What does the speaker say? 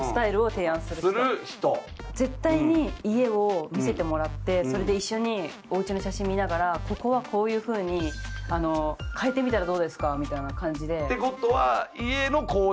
絶対に家を見せてもらってそれで一緒にお家の写真見ながら「ここはこういうふうに変えてみたらどうですか？」みたいな感じで。ってことは。